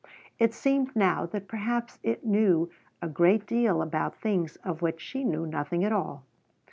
It seemed now that perhaps it knew a great deal about things of which she knew nothing at all.